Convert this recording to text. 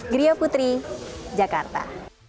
gria putri jakarta